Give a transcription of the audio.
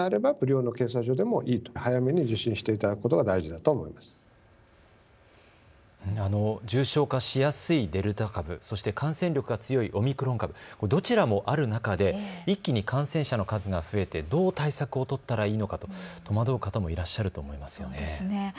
あの重症化しやすいデルタ株、そして感染力が強いオミクロン株、どちらもある中で一気に感染者の数が増えてどう対策を取ったらいいのかと戸惑う方もいらっしゃると思いますよね。